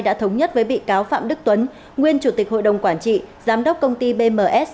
đã thống nhất với bị cáo phạm đức tuấn nguyên chủ tịch hội đồng quản trị giám đốc công ty bms